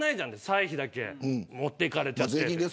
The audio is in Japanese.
歳費だけ持っていかれて。